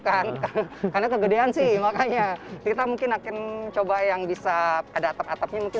kan karena kegedean sih makanya kita mungkin akan coba yang bisa ada atap atapnya mungkin